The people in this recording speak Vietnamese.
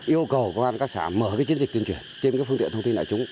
yêu cầu công an các xã mở chiến dịch tuyên truyền trên phương tiện thông tin đại chúng